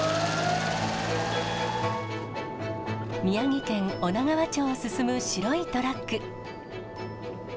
宮城県女川町を進む白いトラック。